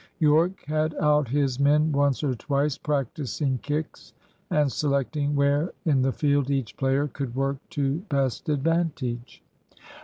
Yorke had out his men once or twice, practising kicks, and selecting where in the field each player could work to best advantage.